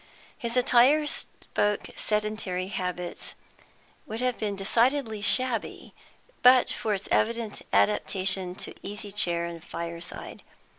His attire spoke sedentary habits; would have been decidedly shabby, but for its evident adaptation to easy chair and fireside.